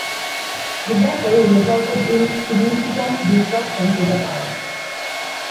The battle resulted in significant destruction to the town.